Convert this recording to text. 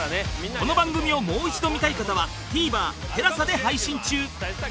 この番組をもう一度見たい方は ＴＶｅｒＴＥＬＡＳＡ で配信中